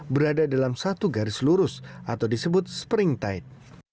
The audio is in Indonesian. berada dalam satu garis lurus atau disebut spring tide